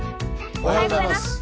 おはようございます。